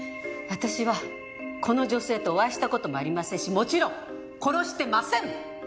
私はこの女性とお会いした事もありませんしもちろん殺してません！